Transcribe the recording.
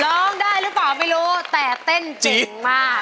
ร้องได้หรือเปล่าไม่รู้แต่เต้นจริงมาก